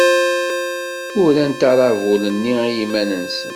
Urant aṛabul-nni i yiman-nsen.